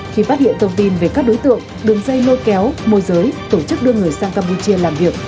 khi phát hiện thông tin về các đối tượng đường dây lôi kéo môi giới tổ chức đưa người sang campuchia làm việc